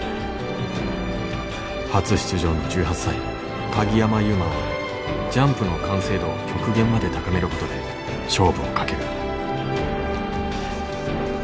初出場の１８歳鍵山優真はジャンプの完成度を極限まで高めることで勝負をかける。